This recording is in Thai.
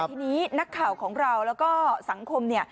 ทีนี้นักข่าวของเราแล้วก็สังคม